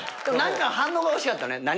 何か反応が欲しかったのね？